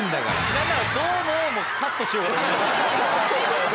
なんなら「どうも！」もカットしようかと思いました。